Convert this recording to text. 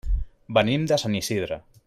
Venim de Sant Isidre.